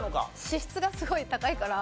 脂質がすごい高いから。